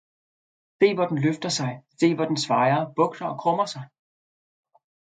Se hvor den løfter sig, se hvor den svajer, bugter og krummer sig!